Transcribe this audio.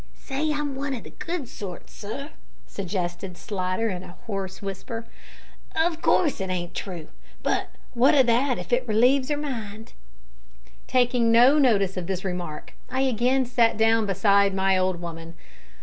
"Say I'm one o' the good sort, sir," suggested Slidder, in a hoarse whisper. "Of course, it ain't true, but wot o' that, if it relieves her mind?" Taking no notice of this remark, I again sat down beside my old woman.